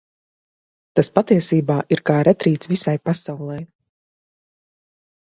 Tas patiesībā ir kā retrīts visai pasaulei.